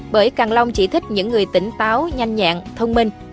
bởi càng long chỉ thích những người tỉnh táo nhanh nhẹn thông minh